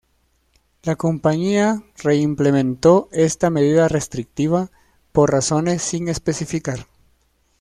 La compañía re-implementó esta medida restrictiva por razones sin especificar.